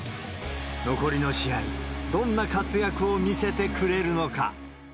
残りの試合、どんな活躍を見せてくれるのか。